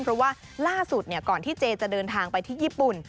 เพราะว่าล่าสุดก่อนที่เจจะเดินทางไปที่ญี่ปุ่น